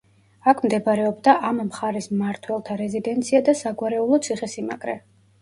აქ მდებარეობდა ამ მხარის მმართველთა რეზიდენცია და საგვარეულო ციხე-სიმაგრე.